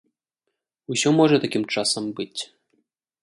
Усё можа такім часам быць.